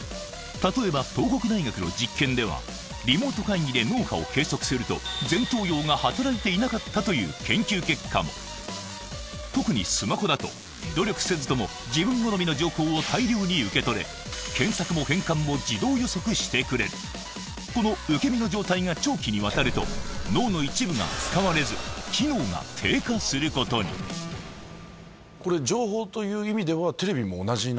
例えば東北大学の実験ではリモート会議で脳波を計測すると特にスマホだと努力せずとも自分好みの情報を大量に受け取れ検索も変換も自動予測してくれるこの受け身の状態が長期にわたると脳の一部が使われずこれ情報という意味では。